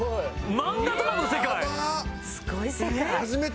漫画とかの世界！やばっ！